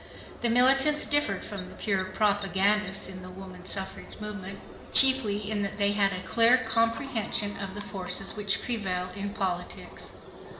The militants differed from the pure propagandists in the woman suffrage movement chiefly in that they had a clear comprehension of the forces which prevail in politics.